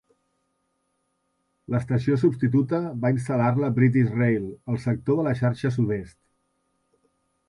L'estació substituta va instal·lar-la British Rail al sector de la xarxa sud-est.